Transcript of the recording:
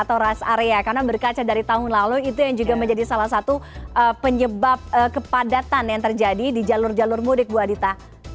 karena berkaca dari tahun lalu itu yang juga menjadi salah satu penyebab kepadatan yang terjadi di jalur jalur mudik bu adita